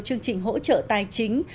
chương trình hỗ trợ tài chính